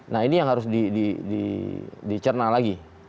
nah ini yang harus dicerna lagi